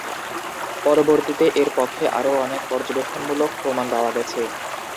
পরবর্তীতে এর পক্ষে আরও অনেক পর্যবেক্ষণমূলক প্রমাণ পাওয়া গেছে।